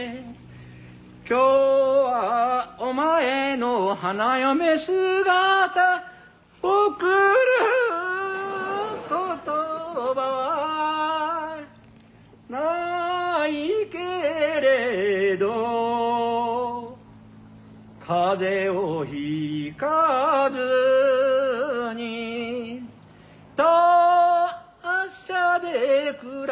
「今日はお前の花嫁姿」「贈る言葉はないけれど」「風邪をひかずに達者で暮らせ」